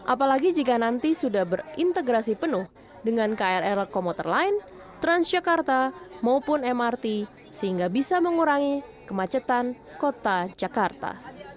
apalagi jika nanti sudah berintegrasi penuh dengan krl komuter lain transjakarta maupun mrt sehingga bisa mengurangi kemacetan kota jakarta